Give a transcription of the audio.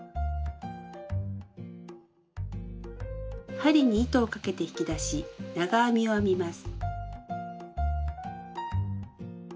針に糸をかけて引き出し長編みを編みます。